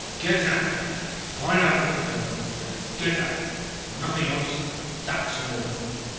Get out there. Find out what is going on. Then get back. Nothing else and that's an order."